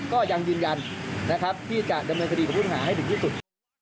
ก็ยังยืนยันนะครับที่จะดำเนินคดีกับผู้ต้องหาให้ถึงที่สุด